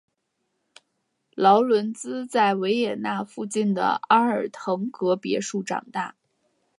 劳伦兹在维也纳附近的阿尔滕贝格别墅长大。